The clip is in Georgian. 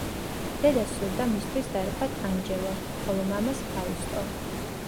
დედას სურდა მისთვის დაერქვათ ანჯელო, ხოლო მამას ფაუსტო.